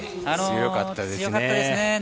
強かったですね。